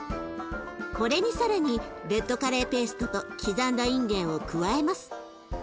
これに更にレッドカレーペーストと刻んだいんげんを加えます。